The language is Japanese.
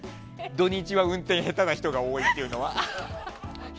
土日は運転下手な人が多いっていうのは。